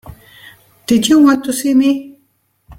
Did you want to see me?